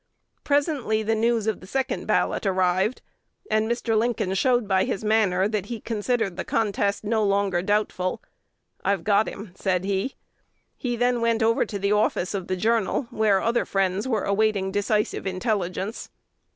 Presently the news of the second ballot arrived, and Mr. Lincoln showed by his manner that he considered the contest no longer doubtful. "I've got him," said he. He then went over to the office of "The Journal," where other friends were awaiting decisive intelligence.